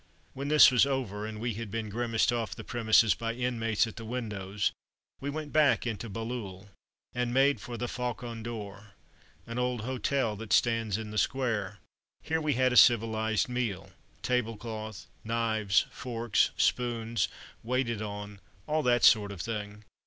When this was over, and we had been grimaced off the premises by "inmates" at the windows, we went back into Bailleul and made for the "Faucon d'Or," an old hotel that stands in the square. Here we had a civilized meal. Tablecloth, knives, forks, spoons, waited on, all that sort of thing.